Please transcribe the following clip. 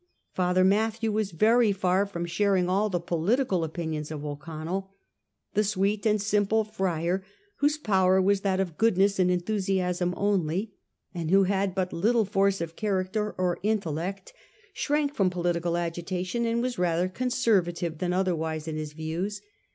Father Mathew was very far from sharing all the political opinions of O'Connell. The sweet and simple friar, whose power was that of goodness and enthusiasm only, and who bad but 1843. THE MONSTER MEETINGS. 285 little force of character or intellect, shrank from poli tical agitation, and was rather Conservative than otherwise in his views.